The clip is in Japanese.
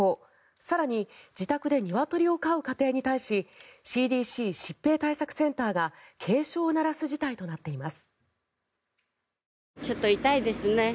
更に、自宅でニワトリを飼う家庭に対しＣＤＣ・疾病対策センターが警鐘を鳴らす事態となっています。